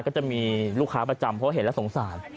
ก็จะมีลูกค้าประจำเพราะเห็นแล้วสงสาร